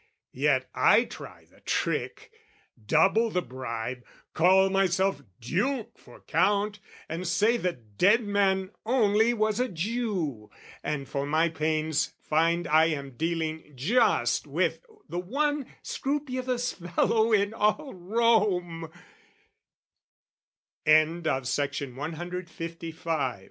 Yet I try the trick, Double the bribe, call myself Duke for Count, And say the dead man only was a Jew, And for my pains find I am dealing just With the one scrupulous fellow in all Rome Just this immaculate official stares